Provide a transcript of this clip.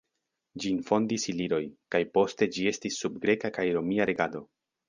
Ĝin fondis iliroj, kaj poste ĝi estis sub greka kaj romia regado.